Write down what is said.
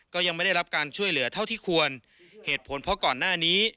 ก็ยังไม่ได้รับการช่วยเหลือเท่าที่ควรเหตุผลเพราะก่อนหน้านี้